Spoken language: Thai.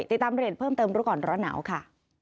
ติดตามเรียนเพิ่มเติมรู้ก่อนร้อนหนาวค่ะ